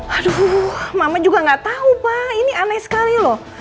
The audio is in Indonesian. aduh mama juga nggak tahu pak ini aneh sekali loh